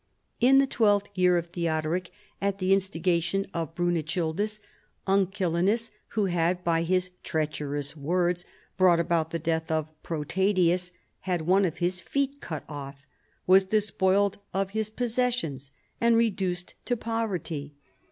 " In the twelfth year of Theodoric, at the instiga tion of Brunechildis, Uncilenus, who had by his treacherous \yords brought about the death of Pro tadius, had one of his feet cut off, was despoiled of his possessions and reduced to poverty.